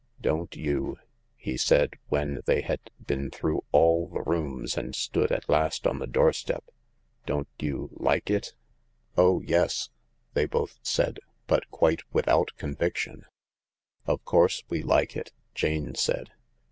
" Don't you," he said, when they had been through all the rooms and stood at last on the doorstep, "don't you like it ?"" Oh yes 1 " they both said, but quite without conviction* " Of course we like it," Jane said.